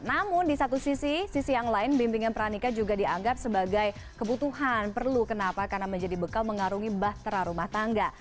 namun di satu sisi sisi yang lain bimbingan pernikah juga dianggap sebagai kebutuhan perlu kenapa karena menjadi bekal mengarungi bahtera rumah tangga